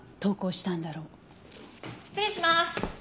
失礼します。